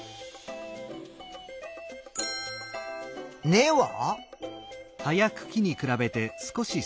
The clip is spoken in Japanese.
根は？